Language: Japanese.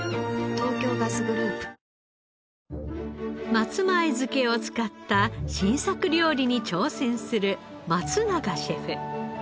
松前漬けを使った新作料理に挑戦する松永シェフ。